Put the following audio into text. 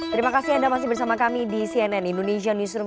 terima kasih anda masih bersama kami di cnn indonesia newsroom